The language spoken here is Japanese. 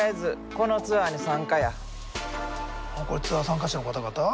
これツアー参加者の方々？